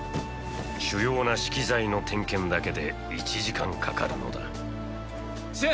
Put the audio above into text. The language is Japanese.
主要な資器材の点検だけで１時間かかるのだ駿！